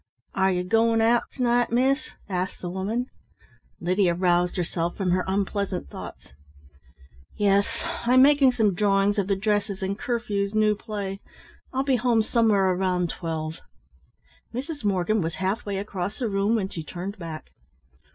"Are you going out to night, miss?" asked the woman. Lydia roused herself from her unpleasant thoughts. "Yes. I'm making some drawings of the dresses in Curfew's new play. I'll be home somewhere around twelve." Mrs. Morgan was half way across the room when she turned back.